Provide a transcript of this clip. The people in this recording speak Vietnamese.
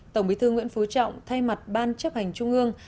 tổng bí thư nguyễn phú trọng thay mặt ban chấp hành trung ương